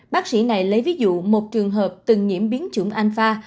bác sĩ này lấy ví dụ một trường hợp từng nhiễm biến chủng anfa